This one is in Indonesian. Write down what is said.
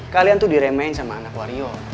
kalian tuh diremehin sama anak wario